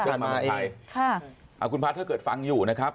มาเองค่ะอ่าคุณพัทรถ้าเกิดฟังอยู่นะครับ